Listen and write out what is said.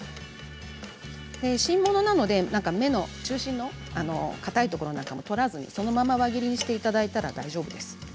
新物なので芽の中心のかたいところなんかも取らずにそのまま輪切りにしていただいたら大丈夫です。